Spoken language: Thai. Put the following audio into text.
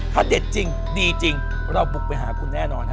ถ้าเด็ดจริงดีจริงเราบุกไปหาคุณแน่นอนฮะ